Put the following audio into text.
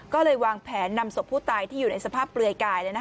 ก็เลยวางแผนนำศพผู้ตายที่อยู่ในสภาพเปลือยกาย